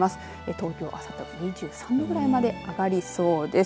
東京あさって２３度ぐらいまで上がりそうです。